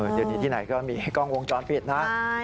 เดี๋ยวนี้ที่ไหนก็มีกล้องวงจรปิดนะ